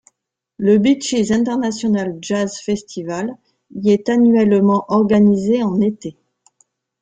Le Beaches International Jazz Festival y est annuellement organisé en été.